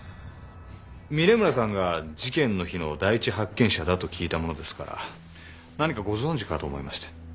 峰村さんが事件の日の第一発見者だと聞いたものですから何かご存じかと思いまして。